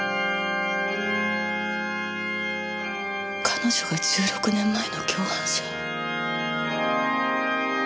彼女が１６年前の共犯者？